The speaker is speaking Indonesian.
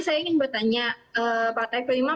saya ingin bertanya pak tv